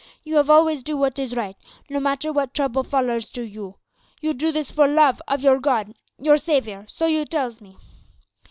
You have always do wot is right, no matter wot trouble follers to you. You do this for love of your God, your Saviour, so you tells me.